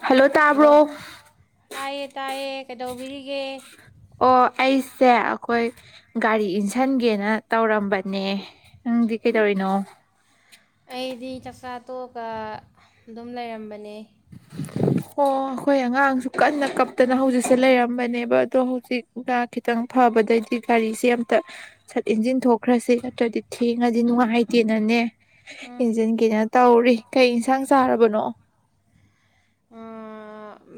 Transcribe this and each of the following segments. ꯍꯥꯏꯣ ꯍꯜꯂꯣ ꯇꯥꯏꯌꯦ ꯇꯥꯏꯌꯦ ꯀꯩꯗꯧꯕꯤꯔꯤꯒꯦ ꯑꯣ ꯑꯩꯁꯦ ꯑꯩꯈꯣꯏ ꯒꯥꯔꯤ ꯏꯟꯁꯤꯟꯒꯦꯅ ꯇꯧꯔꯝꯕꯅꯦ ꯅꯪꯗꯤ ꯀꯩꯗꯧꯔꯤꯅꯣ ꯐꯇꯣꯒ ꯑꯗꯨꯝ ꯂꯩꯔꯝꯕꯅꯦ ꯑꯣ ꯑꯩꯈꯣꯏ ꯑꯉꯥꯡꯁꯨ ꯀꯟꯅ ꯀꯞꯇꯅ ꯍꯧꯖꯤꯛꯁꯦ ꯂꯩꯔꯝꯕꯅꯦꯕ ꯑꯗꯣ ꯍꯧꯖꯤꯛꯅ ꯈꯤꯇꯪ ꯐꯕꯗꯩꯗꯤ ꯒꯥꯔꯤꯁꯦ ꯑꯝꯇꯠ ꯏꯟꯖꯤꯟ ꯊꯣꯛꯈ꯭ꯔꯁꯤ ꯅꯠꯇ꯭ꯔꯗꯤ ꯊꯦꯡꯉꯗꯤ ꯅꯨꯡꯉꯥꯏꯇꯦꯅꯅꯦ ꯎꯝ ꯏꯟꯁꯤꯟ ꯀꯅ ꯇꯧꯔꯤ ꯀꯩ ꯏꯟꯁꯥꯡ ꯆꯥꯔꯕꯅꯣ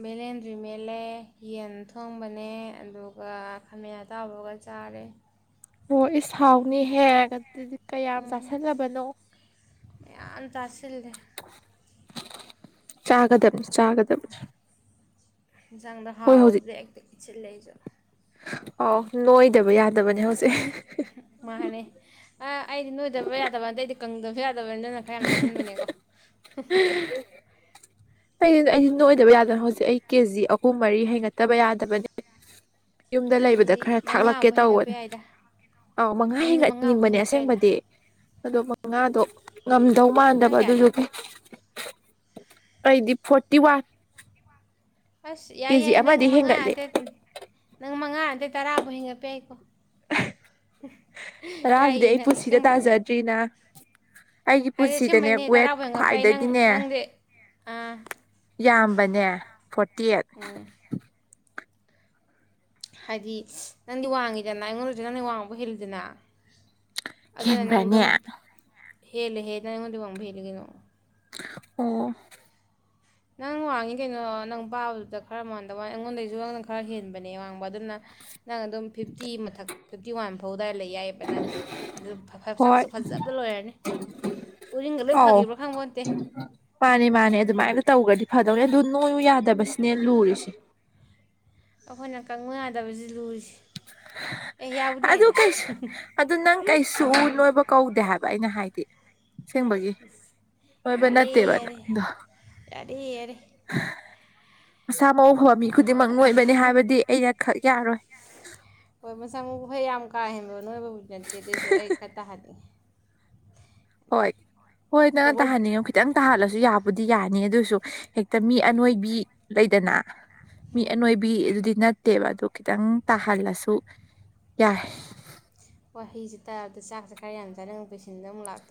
ꯚꯦꯂꯦꯟꯗ꯭ꯔꯤ ꯃꯦꯜꯂꯦ ꯌꯦꯟ ꯊꯣꯡꯕꯅꯦ ꯑꯗꯨꯒ ꯈꯥꯃꯌꯥ ꯇꯥꯕꯒ ꯆꯥꯔꯦ ꯑꯣꯣꯏ ꯏꯁꯥꯎꯅꯤ ꯍꯦꯛꯒ ꯑꯗꯨꯗꯤ ꯀꯌꯥꯝ ꯎꯝ ꯆꯥꯥꯁꯜꯂꯕꯅꯣ ꯃꯌꯥꯝ ꯆꯥꯁꯤꯜꯂꯦ ꯆꯥꯒꯗꯝ ꯆꯥꯒꯗꯗꯝ ꯆꯥꯡꯗ ꯍꯥꯎꯗꯦ ꯏꯆ ꯂꯩꯖ ꯑ ꯅꯣꯏ ꯃꯥꯅꯦ ꯑ ꯑꯩꯗꯤ ꯅꯣꯏꯗꯕ ꯌꯥꯗꯕ ꯑꯗ ꯑꯩꯗꯤ ꯀꯪꯗꯕ ꯐꯗꯕꯅꯤ ꯅꯪꯅ ꯈꯔ ꯌꯥꯝ ꯇꯥꯁꯤꯟꯕꯅꯦꯀꯣ [inaudible] ꯑꯩꯗꯤ ꯑꯩꯗꯤ ꯅꯣꯏ ꯑꯣꯏꯗꯕ ꯌꯥꯗꯅ ꯍꯧꯖꯤꯛ ꯑꯩ ꯀꯦꯖꯤ ꯑꯍꯨꯝ ꯃꯔꯤ ꯍꯦꯟꯒꯠꯇꯕ ꯌꯥꯗꯕꯅꯦ ꯌꯨꯝꯗ ꯂꯩꯕꯗ ꯅꯪꯗꯤ ꯈꯔ ꯊꯥꯛꯂꯛꯀꯦ ꯃꯉꯥꯕꯨ ꯍꯦꯟꯒꯠꯄ ꯇꯧꯕꯅꯦ ꯌꯥꯏꯗ ꯑꯥꯎ ꯃꯉꯥ ꯅꯪꯗꯤ ꯃꯉꯥꯕꯨ ꯍꯦꯟꯒꯠꯟꯅꯤꯡꯕꯅꯦ ꯍꯦꯟꯒꯠꯄ ꯌꯥꯏꯗ ꯑꯁꯦꯡꯕꯗꯤ ꯑꯗꯨꯒ ꯉꯥꯗꯣ ꯉꯝ ꯇꯧ ꯅꯪ ꯃꯥꯟꯗꯕ ꯀꯌꯥ ꯑꯗꯨꯁꯨ ꯂꯩ ꯑꯩꯗꯤ ꯐꯣꯔꯇꯤ ꯋꯥꯟ ꯑꯁ ꯌꯥꯏ ꯀꯦꯖꯤ ꯌꯥꯏ ꯅꯪ ꯑꯃꯗꯤ ꯍꯦꯟꯒꯠꯂꯦ ꯃꯉꯥꯗꯪ ꯅꯪ ꯃꯉꯥ ꯑꯗꯩ ꯇꯔꯥꯐꯥꯎ ꯍꯦꯟꯒꯠꯄ ꯌꯥꯏꯀꯣ ꯔꯔꯥꯁꯤꯗꯤ ꯌꯥꯏꯌꯦ ꯑꯩ ꯅꯪ ꯄꯨꯟꯁꯤꯗ ꯑꯁꯦꯡ ꯇꯥꯖꯗ꯭ꯔꯤꯅ ꯑꯩꯒꯤ ꯍꯥꯏꯗꯤ ꯄꯨꯟꯁꯤꯗꯅꯦ ꯑꯁꯦꯡꯕꯩꯅꯦ ꯋꯦꯠ ꯇꯔꯥꯕꯨ ꯍꯦꯟꯒꯠꯄ ꯌꯥꯏ ꯅꯪ ꯈ꯭ꯋꯥꯏꯗꯒꯤꯅꯦ ꯅꯪꯗꯤ ꯑꯥ ꯌꯥꯝꯕꯅꯦ ꯐꯣꯔꯇꯤ ꯑꯩꯠ ꯎꯝ ꯍꯥꯏꯗꯤ ꯅꯪꯗꯤ ꯋꯥꯡꯉꯤꯗꯅ ꯑꯩꯉꯣꯟꯗꯗ ꯅꯪꯅ ꯋꯥꯡꯕ ꯍꯦꯜꯂꯤꯨꯗꯅ ꯑꯗ ꯅ ꯍꯦꯟꯕ꯭ꯔꯅꯦ ꯑꯗꯨꯝ ꯍꯦꯜꯂ ꯍꯦ ꯇꯅ ꯈꯣꯣꯏꯗꯤꯕ ꯑꯃꯨ ꯍꯦꯜꯒꯅꯣ ꯑꯣ ꯅꯪ ꯋꯥꯡꯉꯤ ꯀꯩꯅꯣ ꯅꯪ ꯄꯥꯕꯗꯨꯗ ꯈꯔ ꯃꯗ ꯋꯥ ꯑꯩꯉꯣꯟꯗꯩꯁꯨ ꯅꯪ ꯈꯔ ꯍꯦꯟꯕꯅꯦ ꯋꯥꯡꯕ ꯑꯗꯨꯅ ꯅꯪ ꯑꯗꯨꯝ ꯐꯤꯐꯇꯤ ꯃꯊꯛ ꯐꯤꯐꯇꯤ ꯋꯥꯟ ꯐꯧ ꯑꯗꯨꯋꯥꯏꯗ ꯂꯩ ꯌꯥꯏꯑꯕ ꯅꯪ ꯑꯗꯨ ꯍꯣꯏ ꯁꯛꯁꯨ ꯐꯖꯕ ꯂꯣꯏꯔꯅꯤ ꯎꯔꯤꯡꯒ ꯂꯣꯏ ꯑꯧ ꯐꯈꯤꯕ꯭ꯔꯣ ꯈꯪꯕꯇꯦ ꯃꯥꯅꯦ ꯃꯥꯅꯦ ꯑꯗꯨꯃꯥꯏꯅ ꯇꯧꯒ꯭ꯔꯗꯤ ꯐꯗꯧꯅꯦ ꯑꯗꯨ ꯅꯣꯏꯨ ꯌꯥꯗꯕꯁꯤꯅꯦ ꯂꯨꯔꯤꯁꯦ ꯑꯩꯈꯣꯏꯅ ꯀꯪꯕ ꯌꯥꯗꯕꯁꯤ ꯂꯨꯔꯤꯁꯦ ꯑꯦ ꯌꯥꯕꯨꯗꯤ ꯑꯗꯨ ꯌꯥꯏꯗ ꯀꯩꯁꯨ ꯑꯗꯨ ꯅꯪ ꯀꯩꯁꯨ ꯅꯣꯏꯕ ꯀꯧꯗꯦ ꯍꯥꯏꯕ ꯑꯩꯅ ꯍꯥꯏꯗꯤ ꯁꯦꯡꯕꯒꯤ ꯍꯣꯏꯕ ꯌꯥꯔꯦ ꯅꯠꯇꯦꯕ ꯌꯥꯔꯦ ꯅꯗꯣ ꯌꯥꯔꯦ ꯌꯥꯔꯦ ꯁꯥ ꯃꯧ ꯍꯝ ꯈꯨꯗꯤꯡꯃꯛ ꯂꯣꯏꯕꯅꯤ ꯍꯥꯏꯕꯗꯤ ꯑꯩꯅ ꯈ ꯌꯥꯌꯥꯔꯣꯏ ꯍꯣꯏ ꯃ ꯑꯃ ꯍꯩ ꯌꯥꯝ ꯀ ꯍꯥꯏ ꯈꯥꯟꯅꯕꯕꯨꯗꯤ ꯅꯠꯇꯦ ꯑꯗꯨꯑꯣꯏꯁꯨ ꯑꯩ ꯈꯔ ꯇꯥꯍꯟꯅꯤꯡꯉꯤ ꯍꯣꯏ ꯍꯣꯏ ꯅꯪ ꯑꯣꯚꯔ ꯇꯍꯟꯅꯤꯡꯉꯣ ꯈꯤꯇꯪ ꯇꯥꯍꯜꯂꯁꯤ ꯁꯨ ꯌꯥꯕꯨꯗꯤ ꯌꯥꯅꯤ ꯑꯗꯨꯑꯣꯏꯁꯨ ꯍꯦꯛꯇ ꯃꯤ ꯑꯅꯣꯏꯕꯤ ꯂꯩꯗꯅ ꯃꯤ ꯎꯝ ꯑꯅꯣꯏꯕꯤ ꯑꯗꯨꯗꯤ ꯅꯠꯇ ꯠꯇꯦꯕ ꯑꯗꯨ ꯈꯤꯇꯪ ꯇꯥꯍꯜꯂꯁꯨ ꯌꯥꯏ ꯍꯩꯤꯁꯦ ꯇꯥꯔꯗ ꯆꯥꯛꯁꯦ ꯈꯔ ꯌꯥꯝ ꯆꯅꯅꯤꯡꯕ ꯄꯦꯁꯤꯟꯗ ꯑꯃꯨꯛ ꯂꯥꯛꯦ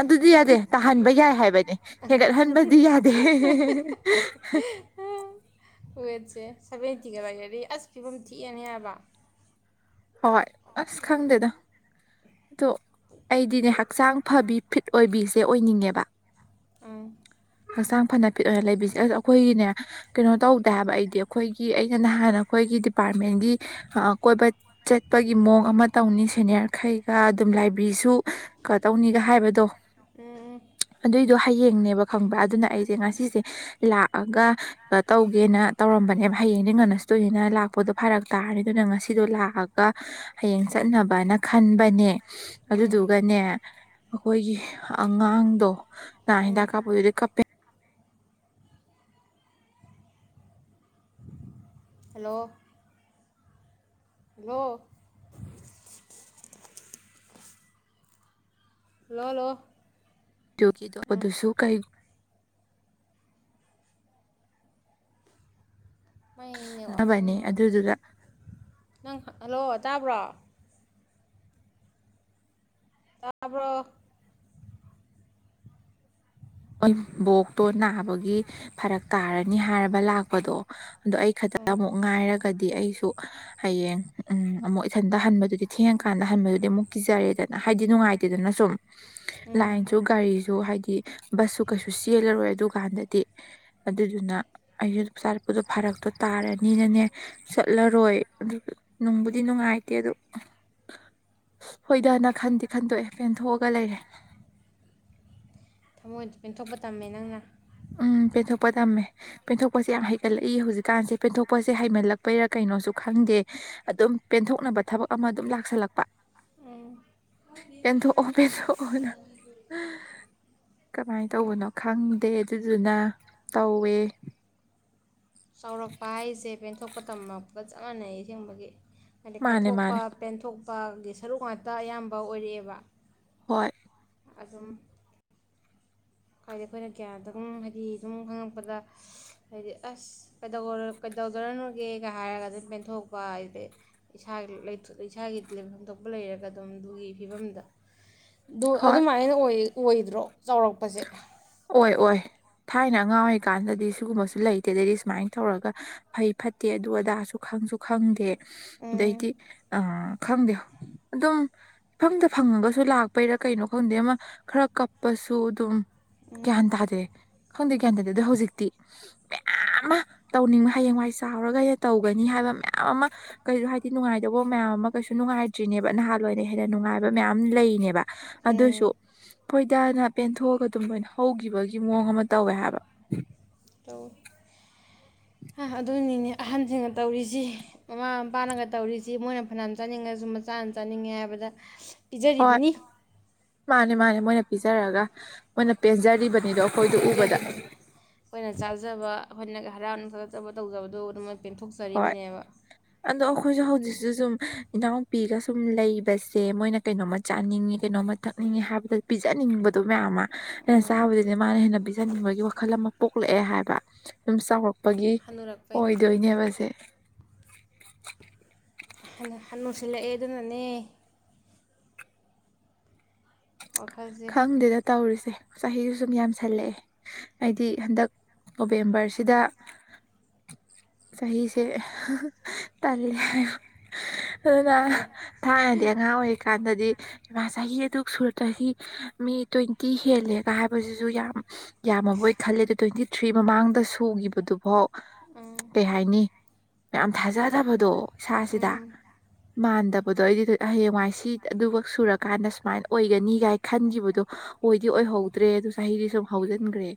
ꯑꯗꯨꯗꯤ ꯌꯥꯗꯦ ꯇꯥꯍꯟꯕ ꯌꯥꯏ ꯍꯥꯏꯕꯅꯤ ꯍꯦꯟꯒꯠꯍꯟꯕꯗꯤ ꯌꯥꯗꯦ ꯋꯦꯠꯁꯦ ꯁꯚꯦꯟꯇꯤꯒ ꯂꯩꯔꯗꯤ ꯑꯁ ꯐꯤꯕꯝ ꯊꯤꯛꯑꯦꯅꯦ ꯍꯥꯏꯕ ꯍꯣꯏ ꯑꯁ ꯈꯪꯗꯦꯗ ꯑꯗꯣ ꯑꯩꯗꯤꯅꯦ ꯍꯛꯆꯥꯡ ꯐꯕꯤ ꯐꯤꯠ ꯑꯣꯏꯕꯤꯁꯦ ꯑꯣꯏꯅꯤꯡꯉꯦꯕ ꯑ ꯍꯛꯆꯥꯡ ꯐꯅ ꯄꯤꯠ ꯑꯣꯏꯅ ꯂꯩꯕꯤꯁꯦ ꯑꯁ ꯑꯩꯈꯣꯏꯒꯤꯅꯦ ꯀꯩꯅꯣ ꯇꯧꯗ ꯍꯥꯏꯕ ꯑꯩꯗꯤ ꯑꯩꯈꯣꯏꯒꯤ ꯑꯩꯅ ꯅꯍꯥꯟ ꯑꯩꯈꯣꯏꯒꯤ ꯗꯤꯄꯥꯔꯠꯃꯦꯟꯒꯤ ꯀꯣꯏꯕ ꯆꯠꯄꯒꯤ ꯃꯑꯣꯡ ꯑꯃ ꯇꯧꯅꯤ ꯁꯦꯅꯤꯌꯥꯔꯈꯩꯒ ꯑꯗꯨꯝ ꯂꯥꯏꯕꯦꯔꯤꯁꯨ ꯀ ꯇꯧꯅꯤꯒ ꯍꯥꯏꯕꯗꯣ ꯑꯗꯨꯏꯗꯣ ꯑꯦ ꯍꯌꯦꯡꯅꯦꯕ ꯈꯪꯕ꯭ꯔ ꯑꯗꯨꯅ ꯑꯩꯁꯦ ꯉꯁꯤꯁꯦ ꯂꯥꯛꯑꯒ ꯇꯧꯒꯦꯅ ꯇꯧꯔꯝꯕꯅꯦꯕ ꯍꯌꯦꯡꯗꯤ ꯉꯟꯅꯁꯇꯣꯏꯅꯤꯅ ꯂꯥꯛꯄꯗꯣ ꯐꯔꯛ ꯇꯥꯔꯦ ꯑꯗꯨꯅ ꯉꯁꯤꯗꯣ ꯂꯥꯛꯑꯒ ꯀ ꯍꯌꯦꯡ ꯎꯝ ꯆꯠꯅꯕꯅ ꯈꯟꯕꯅꯦ ꯎꯝ ꯑꯗꯨꯗꯨꯒꯅꯦ ꯑꯩꯈꯣꯏꯒꯤ ꯑꯉꯥꯡꯗꯣ ꯅ ꯎꯝ ꯗ ꯀꯥꯕꯨꯗꯤ ꯀꯞꯄꯦ ꯍꯂꯣ ꯂꯣ ꯂꯣꯂꯣ ꯗꯗꯨꯁꯨ ꯀꯩ ꯃꯥꯏꯅꯦ ꯋꯥꯥꯛꯁꯟ ꯈꯅꯕꯅꯦ ꯅꯨꯅꯨꯡꯉꯇ ꯑꯗꯨꯗꯨꯗ ꯅꯪ ꯍꯜꯂꯣ ꯇꯥꯕ꯭ꯔꯣ ꯇꯥꯔꯕ꯭ꯔꯣ ꯕꯣꯛꯇꯣ ꯅꯥꯕꯒꯤ ꯐꯔꯛ ꯇꯥꯔꯅꯤ ꯍꯥꯏꯔꯕ ꯂꯥꯛꯄꯗꯣ ꯑꯗꯣ ꯑꯩ ꯈꯛꯇ ꯎꯝ ꯑꯃꯨꯛ ꯉꯥꯏꯔꯒ ꯀꯗꯤ ꯑꯩꯁꯨ ꯍꯌꯦꯡ ꯎ ꯑꯃꯨꯛ ꯏꯊꯟꯗ ꯍꯟꯕꯗꯨꯗꯤ ꯊꯦꯡꯉꯀꯥꯟꯗ ꯍꯟꯕꯗꯨꯗꯤ ꯑꯃꯨꯛ ꯀꯤꯖꯔꯦꯗꯅ ꯍꯥꯏꯗꯤ ꯅꯨꯡꯉꯥꯏꯇꯦꯗꯅ ꯁꯨꯝ ꯎꯝ ꯂꯥꯏꯟꯁꯨ ꯒꯥꯔꯤꯁꯨ ꯍꯥꯏꯗꯤ ꯍ ꯕꯁꯁꯨ ꯀꯩꯁꯨ ꯆꯦꯜꯂꯔꯣꯏ ꯑꯗꯨꯀꯥꯟꯗꯗꯤ ꯑꯗꯨꯗꯨꯅ ꯑꯩꯁꯨ ꯆꯥꯔꯛꯄꯗꯣ ꯐꯥꯔꯛꯇꯣ ꯇꯥꯔꯅꯤꯅꯅꯦ ꯆꯠꯂꯔꯣꯏ ꯑꯗꯨ ꯅꯨꯡꯕꯨꯗꯤ ꯅꯨꯡꯉꯥꯏꯇꯦ ꯑꯗꯨ ꯍꯣꯏꯗꯥꯅ ꯈꯟꯗꯤꯦ ꯈꯟꯗꯣꯛꯑꯦ ꯄꯦꯟꯊꯣꯛꯑꯒ ꯂꯩꯔꯦ ꯃꯣꯏ ꯄꯦꯟꯊꯣꯛꯄ ꯇꯝꯃꯦ ꯅꯪꯅ ꯎꯝ ꯄꯦꯟꯊꯣꯛꯄ ꯇꯝꯃꯦ ꯄꯦꯟꯊꯣꯛꯄꯁꯦ ꯌꯥꯝ ꯍꯩꯒꯠꯂꯛꯏ ꯍꯧꯖꯤꯛꯀꯥꯟꯁꯦ ꯄꯦꯟꯊꯣꯛꯄꯁꯦ ꯍꯩꯃꯜꯂꯛꯄꯩꯔꯥ ꯀꯩꯅꯣꯁꯨ ꯈꯪꯗꯦ ꯑꯗꯨꯝ ꯄꯦꯟꯊꯣꯛꯅꯕ ꯊꯕꯛ ꯑꯃ ꯑꯗꯨꯝ ꯂꯥꯛꯁꯜꯂꯛꯄ ꯎꯝ ꯄꯦꯟꯊꯣꯛꯑꯣ ꯄꯦꯟꯊꯣꯛꯑꯣ ꯀꯃꯥꯏꯅ ꯇꯧꯕꯅꯣ ꯈꯪꯗꯦ ꯑꯗꯨꯗꯨꯅ ꯇꯧꯋꯦ ꯆꯥꯎꯔꯛꯄ ꯍꯥꯏꯁꯦ ꯄꯦꯟꯊꯣꯛꯄ ꯇꯝꯕꯒ ꯆꯞ ꯃꯥꯟꯅꯩ ꯑꯁꯦꯡꯕꯒꯤ ꯍꯥꯏꯗꯤ ꯃꯥꯅꯦ ꯀꯠꯊꯣꯛꯄ ꯃꯥꯅꯦ ꯄꯦꯟꯊꯣꯛ ꯅꯨꯄꯥꯒꯤ ꯁꯔꯨꯛ ꯉꯥꯛꯇ ꯑꯌꯥꯝꯕ ꯑꯣꯏꯔꯛꯑꯦꯕ ꯍꯣꯏ ꯑꯗꯨꯝ ꯍꯥꯏꯗꯤ ꯑꯩꯈꯣꯏꯅ ꯀꯌꯥꯗꯝ ꯍꯥꯏꯗꯤ ꯑꯗꯨꯝ ꯈꯪꯉꯛꯄꯗ ꯍꯥꯏꯗꯤ ꯑꯁ ꯀꯩꯗꯧꯗꯔꯅꯨꯒꯦꯒ ꯍꯥꯏꯔꯒ ꯑꯗꯨꯝ ꯄꯦꯟꯊꯣꯛꯄ ꯍꯥꯏꯗꯤ ꯏꯁꯥꯒꯤ ꯏꯁꯥꯒꯤ ꯂꯩꯐꯝ ꯊꯣꯛꯄ ꯂꯩꯔꯒ ꯑꯗꯨꯝ ꯑꯗꯨꯒꯤ ꯐꯤꯕꯝꯗ ꯗꯣ ꯍꯣꯏ ꯑꯗꯨꯃꯥꯏꯅ ꯑꯣꯏ ꯑꯣꯏꯗ꯭ꯔꯣ ꯆꯥꯎꯔꯛꯄꯁꯦ ꯑꯣꯏ ꯑꯣꯏ ꯊꯥꯏꯅ ꯑꯉꯥꯡ ꯑꯣꯏꯔꯤꯀꯥꯟꯗꯗꯤ ꯁꯤꯒꯨꯝꯕꯁꯨ ꯂꯩꯇꯦ ꯑꯗꯩꯗꯤ ꯁꯨꯃꯥꯏꯅ ꯇꯧꯔꯒ ꯐꯩ ꯐꯠꯇꯦ ꯑꯗꯨ ꯑꯗꯥꯁꯨ ꯈꯪꯁꯨ ꯈꯪꯗꯦ ꯎꯝ ꯑꯗꯩꯗꯤ ꯑ ꯈꯪꯗꯦ ꯑꯗꯨꯝ ꯏꯐꯪꯗ ꯐꯪꯉꯒꯁꯨ ꯂꯥꯛꯄꯩꯔꯥ ꯀꯩꯅꯣ ꯈꯪꯗꯦ ꯑꯃ ꯈꯔ ꯀꯞꯄ ꯇꯣꯗꯨꯝ ꯒꯌꯥꯟ ꯎꯝ ꯇꯥꯗꯦ ꯈꯪꯗꯦ ꯒꯌꯥꯟ ꯇꯥꯗꯦꯢ ꯍꯧꯖꯤꯛꯇꯤ ꯃꯌꯥꯝ ꯑꯃ ꯇꯧꯅꯤꯡꯕ ꯍꯌꯦꯡꯋꯥꯏ ꯆꯥꯎꯔꯒ ꯑꯩꯅ ꯇꯧꯒꯅꯤ ꯍꯥꯏꯕ ꯃꯌꯥꯝ ꯑꯃ ꯀꯩꯁꯨ ꯍꯥꯏꯗꯤ ꯅꯨꯡꯉꯥꯏꯗꯧꯕ ꯃꯌꯥꯝ ꯑꯃ ꯀꯩꯁꯨ ꯅꯨꯡꯉꯥꯏꯇ꯭ꯔꯤꯅꯦꯕ ꯅꯍꯥꯟꯋꯥꯏ ꯑꯣꯏꯅ ꯍꯦꯟꯅ ꯅꯨꯡꯉꯥꯏꯕ ꯃꯌꯥꯝ ꯂꯩꯅꯦꯕ ꯑꯗꯣꯏꯁꯨ ꯎꯝ ꯃꯣꯏꯗꯅ ꯄꯦꯟꯊꯣꯛꯑꯒ ꯑꯗꯨꯝ ꯂꯣꯏꯅ ꯍꯧꯈꯤꯕꯒꯤ ꯃꯑꯣꯡ ꯑꯃ ꯇꯧꯋꯦ ꯍꯥꯏꯕ ꯇꯧꯋꯤ ꯑꯗꯨꯅꯤꯅꯦ ꯑꯍꯟꯁꯤꯡꯒ ꯇꯧꯔꯤꯁꯤ ꯃꯃꯥ ꯃꯄꯥꯅꯒ ꯇꯧꯔꯤꯁꯤ ꯃꯣꯏꯅ ꯐꯅꯌꯥꯝ ꯆꯥꯅꯤꯡꯉꯁꯨ ꯃꯆꯥꯅ ꯆꯥꯅꯤꯡꯉꯦ ꯍꯥꯏꯕꯗ ꯍꯣꯏ ꯄꯤꯖꯔꯤꯕꯅꯤ ꯃꯥꯅꯦ ꯃꯥꯅꯦ ꯃꯣꯏꯅ ꯄꯤꯖꯔꯑꯒ ꯃꯣꯏꯅ ꯄꯦꯟꯖꯔꯤꯕ ꯄꯦꯟꯖꯔꯤꯕꯅꯤ ꯑꯩꯈꯣꯏꯅ ꯆꯥꯖꯕ ꯑꯩꯈꯣꯏꯅꯒ ꯍꯔꯥꯎꯅꯒ ꯆꯠꯆꯕ ꯇꯧꯖꯗꯣ ꯑꯗꯨ ꯃꯣꯏ ꯍꯣꯏ ꯑꯗꯣ ꯑꯩꯈꯣꯏꯁꯨ ꯍꯧꯖꯤꯛꯁꯨ ꯁꯨꯝ ꯏꯅꯥꯎꯄꯤꯒ ꯁꯨꯝ ꯂꯩꯕꯁꯦ ꯃꯣꯏꯅ ꯀꯩꯅꯣꯝꯃ ꯆꯥꯅꯤꯡꯉꯤ ꯀꯩꯅꯣꯝꯃ ꯊꯛꯅꯤꯡꯉꯤ ꯍꯥꯏꯕꯗ ꯄꯤꯖꯅꯤꯡꯕꯗꯣ ꯃꯌꯥꯝ ꯑꯃ ꯑꯩꯅ ꯎꯝ ꯆꯥꯕꯕꯨꯗꯤ ꯃꯥꯅ ꯍꯦꯟꯅ ꯄꯤꯖꯅꯤꯡꯕꯒꯤ ꯋꯥꯈꯜ ꯑꯃ ꯄꯣꯛ ꯄꯣꯛꯂꯛꯑꯦ ꯍꯥꯏꯕ ꯁꯨꯝ ꯆꯥꯎꯔꯛꯄꯒꯤ ꯍꯟꯅꯨꯔꯛꯄꯩꯅꯤ ꯑꯣꯏꯗꯣꯏꯅꯦꯕ ꯍꯅꯨꯁꯤꯜꯂꯛꯑꯦ ꯑꯗꯨꯅꯅꯦ ꯋꯥꯈꯜꯁꯦ ꯈꯪꯗꯦꯗ ꯇꯩꯔꯤꯁꯦ ꯆꯍꯤꯁꯨ ꯁꯨꯝ ꯌꯥꯝꯁꯜꯂꯛꯑꯦ ꯍꯥꯏꯗꯤ ꯍꯟꯗꯛ ꯅꯣꯕꯦꯝꯕꯔꯁꯤꯗ ꯆꯍꯤꯁꯦ ꯇꯔꯦ [unintelligible] ꯑꯗꯨꯅ ꯍꯥꯏꯔꯦ ꯊꯥꯏꯅꯗꯤ ꯑꯉꯥꯡ ꯑꯣꯏꯔꯤꯀꯥꯟꯗꯗꯤ ꯃꯥ ꯆꯍꯤ ꯑꯗꯨ ꯁꯨꯔꯇ꯭ꯔꯁꯤ ꯃꯤ ꯇ꯭ꯋꯦꯟꯇꯤ ꯍꯦꯜꯂꯦꯒ ꯍꯥꯏꯕꯁꯤꯁꯨ ꯌꯥꯝ ꯌꯥꯃꯕꯣꯏ ꯈꯜꯂꯦꯗ ꯇꯣꯏꯗꯤ ꯊ꯭ꯔꯤ ꯃꯃꯥꯡꯗ ꯁꯨꯈꯤꯕꯗꯨꯐꯥꯎ ꯎꯝ ꯀꯩ ꯍꯥꯏꯅꯤ ꯌꯥꯝ ꯊꯥꯖꯗꯕꯗꯣ ꯏꯁꯥꯁꯤꯗ ꯎꯝ ꯃꯥꯟꯗ ꯑꯕꯗꯣ ꯑꯩꯗꯤ ꯍꯌꯦꯡꯋꯥꯏ ꯁꯤ ꯑꯗꯨꯈꯛ ꯁꯨꯔꯀꯥꯟꯗ ꯁꯨꯃꯥꯏꯅ ꯑꯣꯏꯒꯅꯤꯒꯥꯏ ꯈꯟꯈꯤꯕꯗꯣ ꯑꯣꯏꯗꯤ ꯑꯣꯏꯍꯧꯗ꯭ꯔꯦ ꯑꯗꯨ ꯆꯍꯤꯗꯤ ꯁꯨꯝ ꯍꯧꯖꯤꯟꯈ꯭ꯔꯦ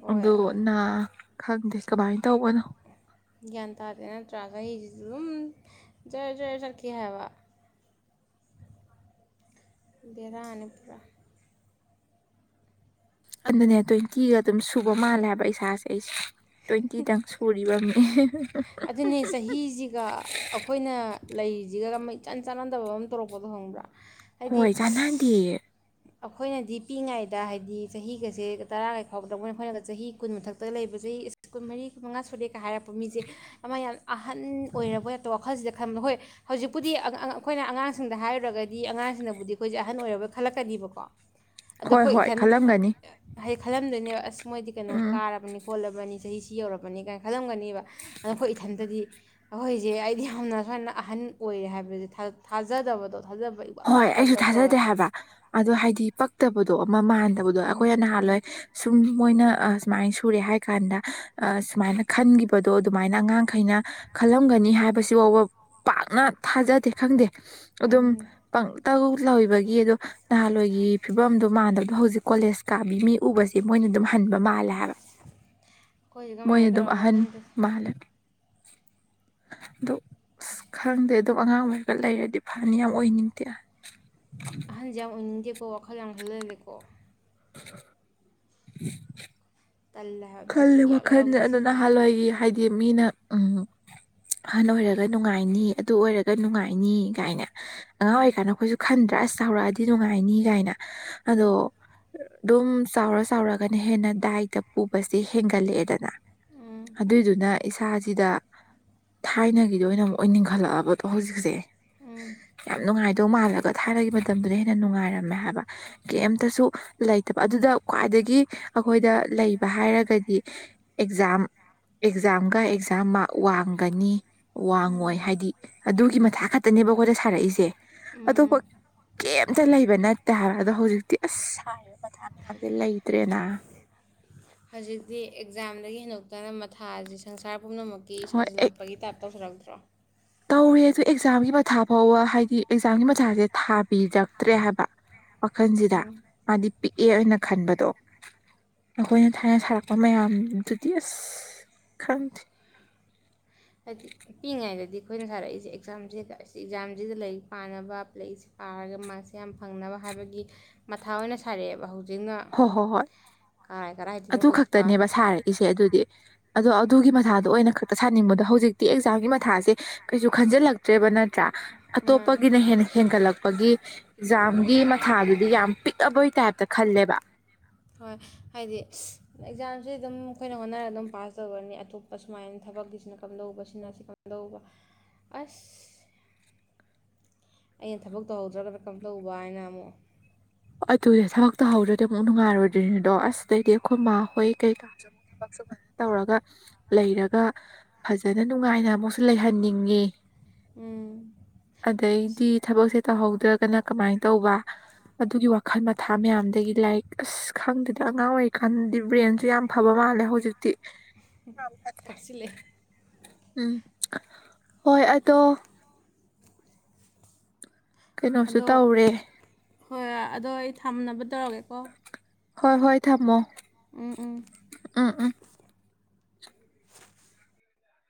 ꯍꯣꯏ ꯑꯗꯣ ꯅ ꯈꯪꯗꯦ ꯀꯃꯥꯏꯅ ꯇꯧꯕꯅꯣ ꯒ꯭ꯌꯥꯟ ꯇꯥꯗꯦ ꯅꯠꯇ꯭ꯔꯥꯒ ꯆꯍꯤꯁꯤꯁꯨ ꯑꯗꯨꯝ ꯖꯔ ꯖꯔ ꯆꯠꯀꯦ ꯍꯥꯏꯕ ꯕꯔꯥ ꯑꯅꯤ ꯄꯨꯔꯥ ꯑꯗꯨꯅꯦ ꯇ꯭ꯋꯦꯟꯇꯤꯒ ꯑꯗꯨꯝ ꯁꯨꯕ ꯃꯥꯜꯂꯦꯕ ꯏꯁꯥꯁꯦ ꯑꯩꯁꯦ ꯇ꯭ꯋꯦꯟꯇꯤꯗꯪ ꯁꯨꯔꯤꯕ ꯃꯤ ꯎ ꯑꯗꯨꯅꯦ ꯆꯍꯤꯁꯤꯒ ꯑꯩꯈꯣꯏꯅ ꯂꯩꯁꯤꯒ ꯏꯆꯥꯟ ꯆꯥꯟꯅꯗꯕ ꯑꯃ ꯇꯧꯔꯛꯄꯗꯣ ꯈꯪꯕ꯭ꯔꯥ ꯍꯣꯏ ꯍꯥꯏꯗꯤ ꯆꯥꯟꯅꯗꯤꯦ ꯑꯩꯈꯣꯏꯅꯗꯤ ꯄꯤꯛꯏꯉꯩꯗ ꯍꯥꯏꯗꯤ ꯆꯍꯤꯒꯁꯦ ꯇꯔꯥꯒ ꯐꯥꯎꯕꯗ ꯃꯣꯏꯅ ꯑꯩꯈꯣꯏꯅꯒ ꯆꯍꯤ ꯀꯨꯟ ꯃꯊꯛꯇ ꯂꯩꯕ ꯆꯍꯤ ꯀꯨꯟꯃꯔꯤ ꯃꯉꯥ ꯁꯨꯔꯦꯀ ꯍꯥꯏꯔꯛꯄ ꯃꯤꯁꯦ ꯑꯃ ꯌꯥꯝ ꯑꯍꯟ ꯑꯣꯏꯔꯕ ꯑꯇ ꯋꯥꯈꯜꯁꯤꯗ ꯊꯝ ꯍꯣꯏ ꯍꯧꯖꯤꯛꯄꯨꯗꯤ ꯑꯩꯈꯣꯏꯅ ꯑꯉꯥꯡꯁꯤꯡꯗ ꯍꯥꯏꯔꯨꯔꯒꯗꯤ ꯑꯉꯥꯡꯁꯤꯡꯅꯕꯨꯗꯤ ꯑꯩꯈꯣꯏꯁꯦ ꯑꯍꯟ ꯑꯣꯏꯔꯔꯕꯣꯏ ꯈꯜꯂꯛꯀꯅꯤꯕ ꯋꯥ ꯑꯗꯣ ꯍꯣꯏ ꯑꯩꯈꯣꯏ ꯍꯣꯏ ꯏꯊꯟ ꯈꯜꯂꯝꯒꯅꯤ ꯈꯜꯂꯝꯗꯣꯏꯅꯦꯕ ꯑꯁ ꯃꯣꯏꯗꯤ ꯀꯩꯅꯣ ꯎꯝ ꯀꯥꯔꯕꯅꯤ ꯈꯣꯠꯂꯕꯅꯤ ꯆꯍꯤꯁꯤ ꯁꯤ ꯌꯧꯔꯛꯄꯅꯤ ꯀꯥꯏꯅ ꯈꯜꯂꯝꯒꯅꯦꯕ ꯑꯗꯣ ꯑꯩꯈꯣꯏ ꯏꯊꯟꯇꯗꯤ ꯑꯩꯈꯣꯏꯁꯦ ꯑꯩꯗꯤ ꯌꯥꯝꯅ ꯁꯨꯃꯥꯏꯅ ꯑꯍꯟ ꯑꯣꯏꯔꯦ ꯍꯥꯏꯕꯁꯦ ꯊꯥꯖꯗꯕꯗꯣ ꯊꯥꯖꯕ ꯏꯋꯥꯠ ꯍꯣꯏ ꯋꯥꯠꯄ ꯇꯥꯏꯞ ꯑꯩꯁꯨ ꯇꯧ ꯇꯧꯋꯦ ꯊꯥꯖꯗꯦ ꯍꯥꯏꯕ ꯑꯗꯣ ꯍꯥꯏꯗꯤ ꯄꯛꯇꯕꯗꯣ ꯑꯃ ꯃꯥꯜꯂꯤ ꯊꯕꯗꯣ ꯎꯝ ꯑꯩꯈꯣꯏ ꯎꯝ ꯅꯍꯜꯋꯥꯣꯏ ꯁꯨꯝ ꯃꯣꯏꯅ ꯁꯨꯃꯥꯏꯅ ꯁꯨꯔꯦ ꯍꯥꯏ ꯀꯥꯟꯗ ꯁꯨꯃꯥꯏꯅ ꯈꯟꯈꯤꯕꯗꯣ ꯑꯗꯨꯃꯥꯏꯅ ꯑꯉꯥꯡꯈꯩꯅ ꯈꯜꯂꯝꯒꯅꯤ ꯍꯥꯏꯕꯁꯤꯐꯥꯎꯕ ꯄꯥꯛꯅ ꯊꯥꯖꯗꯦ ꯈꯪꯗꯦ ꯑꯗꯨꯝ ꯑꯗꯨꯅꯦ ꯄꯪꯇꯧ ꯂꯕꯒꯤ ꯑꯗꯣ ꯅꯍꯥꯟꯋꯥꯏꯒꯤ ꯐꯤꯕꯝꯗꯣ ꯃꯥꯟꯗꯕꯗꯣ ꯍꯧꯖꯤꯛ ꯀꯣꯂꯦꯖ ꯀꯥꯕꯤ ꯃꯤ ꯎꯕꯁꯦ ꯃꯣꯏꯅ ꯑꯗꯨꯝ ꯍꯟꯕ ꯃꯥꯜꯂꯦ ꯍꯥꯏꯕ ꯑꯩꯈꯣꯏꯁꯦ ꯃꯅ ꯀꯃꯥꯏꯅ ꯑꯗꯨ ꯇꯧꯔꯕꯅꯣ ꯑꯍꯟ ꯈꯪꯗꯦ ꯃꯥꯂꯦꯟ ꯗ ꯑꯁ ꯈꯪꯗꯦ ꯑꯗꯨꯗꯣ ꯑꯉꯥꯡ ꯑꯣꯏꯔꯒ ꯂꯩꯔꯗꯤ ꯐꯅꯤ ꯌꯥꯝ ꯑꯣꯏꯅꯤꯡꯉ ꯗꯌꯥ ꯑꯍꯟꯁꯦ ꯌꯥꯝ ꯑꯣꯏꯅꯤꯡꯗꯦꯀꯣ ꯋꯥꯈꯜ ꯌꯥꯝ ꯈꯜꯍꯜꯂꯦꯀꯣ [inaudible] ꯇꯜꯂꯦ ꯍꯥꯏꯕ ꯕꯤꯠ ꯈꯜꯜꯂꯤꯦ ꯏꯌꯥꯎ ꯋꯥꯈꯜꯁꯦ ꯌꯥꯎꯗꯦ ꯑꯗꯨ ꯅꯍꯥꯟꯋꯥꯏꯒꯤ ꯍꯥꯏꯗꯤ ꯃꯤꯅ ꯑꯍꯟ ꯑꯣꯏꯔꯒ ꯅꯨꯡꯉꯥꯏꯅꯤ ꯑꯗꯨ ꯑꯣꯏꯔꯒ ꯅꯨꯡꯉꯥꯏꯅꯤ ꯀꯥꯏꯅ ꯑꯉꯥꯡ ꯎꯝ ꯑꯣꯏꯔꯤ ꯀꯥꯟꯗ ꯑꯩꯈꯣꯏꯁꯨ ꯈꯟꯗ꯭ꯔꯥꯁ ꯆꯥꯎꯔꯛꯑꯗꯤ ꯅꯨꯡꯉꯥꯏꯅꯤ ꯀꯥꯏꯅ ꯑꯗꯣ ꯣꯝ ꯆꯥꯎꯔ ꯆꯥꯎꯔꯒꯅ ꯍꯦꯟꯅ ꯗꯥꯏꯗ ꯄꯨ ꯍꯦꯟꯒꯠꯂꯛꯑꯦꯗꯅ ꯎꯝ ꯑꯗꯨꯏꯗꯨꯅ ꯏꯁꯥꯁꯤꯗ ꯊꯥꯏꯅꯒꯤꯗ ꯑꯣꯏꯅ ꯑꯃꯨꯛ ꯑꯣꯏꯅ ꯅꯤꯡꯈꯠꯂꯛꯑꯕꯗꯣ ꯍꯧꯖꯤꯛꯁꯦ ꯎꯝ ꯎꯝ ꯌꯥꯝ ꯅꯨꯡꯉꯥꯏ ꯑꯗꯨꯗꯧ ꯃꯥꯜꯂꯒ ꯊꯥꯏꯅꯒꯤ ꯃꯇꯝꯗꯨꯗ ꯍꯦꯟꯅ ꯅꯨꯡꯉꯥꯏꯔꯝꯃꯦ ꯍꯥꯏꯕ ꯀꯩꯝꯇꯁꯨ ꯂꯩꯇꯕ ꯑꯗꯨꯗ ꯈ꯭ꯋꯥꯏꯗꯒꯤ ꯑꯩꯈꯣꯏꯗ ꯂꯩ ꯍꯥꯏꯔꯒꯗꯤ ꯑꯦꯛꯖꯥꯝ ꯑꯦꯛꯖꯥꯝꯒ ꯑꯦꯛꯖꯥꯝ ꯃꯥꯔ ꯋꯥꯡꯒꯅꯤ ꯋꯥꯡꯉꯣꯏ ꯍꯥꯏꯗꯤ ꯑꯗꯨꯒꯤ ꯃꯊꯥ ꯈꯛꯇ ꯇꯠꯇꯅꯦꯕ ꯑꯩꯈꯣꯏꯗ ꯁꯥꯔꯛꯏꯁꯦ ꯑꯗꯨꯣ ꯎꯝ ꯀ ꯑꯝꯇ ꯂꯩꯕ ꯅꯠꯇꯦ ꯍꯥꯏꯕ ꯑꯗꯣ ꯍꯧꯖꯤꯛꯇꯤ ꯑꯁ ꯁꯔꯤꯕ ꯃꯊꯥ ꯃꯌꯥꯝꯁꯦ ꯂꯩꯇ꯭ꯔꯦꯅ ꯍꯧꯖꯤꯛꯇꯤ ꯑꯦꯛꯖꯥꯝꯗꯒꯤ ꯍꯦꯟꯗꯣꯛꯇꯅ ꯃꯊꯥꯁꯤ ꯁꯪꯁꯥꯔ ꯄꯨꯝꯅꯃꯛꯀꯤ ꯁꯥꯖꯤꯜꯂꯛꯄꯒꯤ ꯇꯥꯏꯞ ꯇꯧꯁꯤꯜꯂꯛꯇꯦ ꯆꯥꯎ ꯇꯧꯔꯦ ꯑ ꯑꯗꯨ ꯑꯦꯛꯖꯥꯝꯒꯤ ꯃꯊꯥ ꯐꯥꯎꯕ ꯍꯥꯏꯗꯤ ꯑꯦꯛꯖꯥꯝꯒꯤ ꯃꯊꯥꯁꯦ ꯊꯥꯕꯤꯔꯛꯇ꯭ꯔꯦ ꯍꯥꯏꯕ ꯋꯥꯈꯜꯁꯤꯗ ꯎꯝ ꯃꯥꯗꯤ ꯄꯤꯛꯑꯦꯅ ꯈꯟꯕꯗꯣ ꯑꯩꯈꯣꯏꯅ ꯊꯥꯏꯅ ꯊꯥꯔꯛꯄ ꯃꯌꯥꯝꯗꯨꯗꯤ ꯑꯁ ꯈꯪꯗꯦ ꯍꯥꯏꯗꯤ ꯄꯤꯛꯏꯉꯩꯗꯗꯤ ꯑꯩꯈꯣꯏꯅ ꯁꯥꯔꯛꯏꯁꯦ ꯑꯦꯛꯖꯥꯝꯁꯤꯗ ꯑꯦꯛꯖꯥꯝꯁꯤꯗ ꯂꯥꯏꯔꯤꯛ ꯄꯥꯅꯕ ꯂꯥꯏꯔꯤꯛꯁꯤ ꯄꯥꯔꯒ ꯃꯥꯁꯦ ꯌꯥꯝ ꯐꯪꯅꯕ ꯍꯥꯏꯕꯒꯤ ꯃꯊꯥ ꯑꯣꯏꯅ ꯁꯥꯔꯛꯑꯦꯕ ꯍꯧꯖꯤꯛ ꯍꯣꯏ ꯍꯣꯏ ꯍꯣꯏ ꯀꯔꯥꯏꯗꯅꯣ ꯑꯗꯨ ꯎꯠꯄꯥꯠ ꯈꯛꯇꯅꯦꯕ ꯁꯥꯔꯛꯏꯁꯦ ꯑꯗꯨꯗꯤ ꯑꯗꯣ ꯑꯗꯨꯒꯤ ꯃꯊꯥꯗ ꯑꯗ ꯑꯣꯏꯅ ꯈꯛꯇ ꯁꯥꯅꯤꯡꯕꯗꯣ ꯍꯧꯖꯤꯛꯇꯤ ꯑꯦꯛꯖꯥꯝꯒꯤ ꯃꯊꯥꯁꯦ ꯀꯩꯁꯨ ꯈꯟꯖꯤꯜꯂꯛꯇ꯭ꯔꯦꯕꯅꯠꯇ ꯅꯠꯇ꯭ꯔꯥ ꯃꯥꯅꯦ ꯑꯇꯣꯞꯄꯒꯤꯅ ꯍꯦꯟꯒꯠꯂꯛꯄꯒꯤ ꯑꯦꯛꯖꯥꯝꯒꯤ ꯃꯊꯥꯗꯨꯗꯤ ꯌꯥꯝ ꯄꯤꯛꯑꯕꯣꯏ ꯇꯥꯏꯞ ꯈꯜꯂꯦꯕ ꯍꯣꯏ ꯍꯥꯏꯗꯤ ꯑꯦꯛꯖꯥꯝꯁꯤ ꯑꯗꯨꯝ ꯑꯩꯈꯣꯏꯅ ꯍꯣꯠꯅꯔꯒ ꯑꯗꯨꯝ ꯄꯥꯁ ꯇꯧꯈꯅꯤ ꯑꯇꯣꯞꯄ ꯁꯨꯃꯥꯏꯅ ꯊꯕꯛꯇꯤꯁꯤꯅ ꯀꯝꯗꯧꯕꯁꯤꯅ ꯁꯤ ꯀꯝꯗꯧꯕ ꯑꯁ ꯑꯩꯅ ꯊꯕꯛ ꯇꯧꯍꯧꯗ꯭ꯔꯒꯅ ꯀꯝ ꯇꯧꯕ ꯍꯥꯏꯅ ꯑꯃꯨꯛ ꯑꯗꯨ ꯊꯕꯛ ꯇꯧꯍꯧꯗ꯭ꯔꯗꯤ ꯑꯃꯨꯛ ꯅꯨꯡꯉꯥꯏꯔꯣꯏꯗ꯭ꯔꯤꯅꯤꯗꯣ ꯑꯁꯇꯩꯩꯗꯤ ꯑꯩꯈꯣꯏ ꯃꯥ ꯍꯣꯏ ꯀꯩꯀꯥꯁꯨ ꯑꯃꯨꯛ ꯊꯕꯛ ꯁꯨ ꯐꯖꯅ ꯇꯧꯔꯒ ꯂꯩꯔꯒ ꯐꯖꯅ ꯅꯨꯡꯉꯥꯏꯅ ꯑꯃꯨꯛꯁꯨ ꯂꯩꯍꯟꯅꯤꯡꯉꯤ ꯎꯝ ꯑꯗꯩꯗꯤ ꯑꯁ ꯊꯕꯛꯁꯦ ꯇꯍꯧ ꯅꯠꯇ꯭ꯔꯒꯅ ꯀꯃꯥꯏꯅ ꯇꯧꯕ ꯑꯗꯨꯒꯤ ꯋꯥꯈꯜ ꯃꯊꯥ ꯃꯌꯥꯝꯗꯒꯤ ꯂꯥꯏꯔꯤꯛ ꯑꯁ ꯈꯪꯗꯗ ꯑꯉꯥꯡ ꯑꯣꯏꯔꯤꯀꯥꯟꯗꯗꯤ ꯕ꯭ꯔꯦꯟꯁꯨ ꯌꯥꯝ ꯐꯕ ꯃꯥꯜꯂꯦ ꯍꯧꯖꯤꯛꯇꯤ ꯌꯥꯝ ꯐꯠꯇ꯭ꯔꯦ ꯊꯛꯆꯤꯜꯂꯑꯦ ꯎꯝ ꯍꯣꯏ ꯑꯗꯣ ꯀꯩꯅꯣꯁꯨ ꯑꯗꯣ ꯇꯧꯔꯦ ꯍꯣꯏ ꯍꯣꯏ ꯑꯗꯣ ꯑꯩ ꯊꯝꯅꯕ ꯇꯧꯔꯒꯦꯀꯣ ꯍꯣꯏ ꯍꯣꯏ ꯊꯝꯃꯣ ꯎꯝ ꯎꯝ ꯑꯥ ꯑꯥ